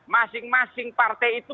masing masing partai itu